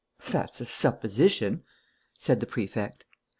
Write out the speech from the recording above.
"That's a supposition!" said the Prefect.